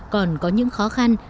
còn có những khó khăn